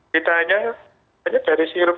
ditanya hanya dari sirup